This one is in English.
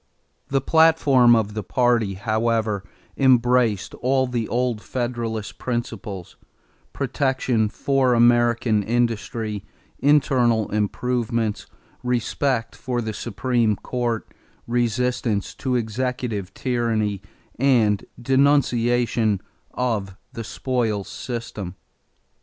The platform of the party, however, embraced all the old Federalist principles: protection for American industry; internal improvements; respect for the Supreme Court; resistance to executive tyranny; and denunciation of the spoils system.